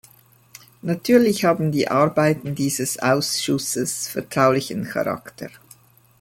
Natürlich haben die Arbeiten dieses Ausschusses vertraulichen Charakter.